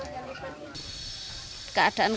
keadaan kami kita tidak bisa berhenti